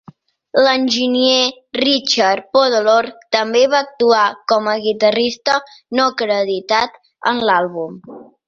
L'enginyer Richard Podolor també va actuar com a guitarrista no acreditat en l'àlbum.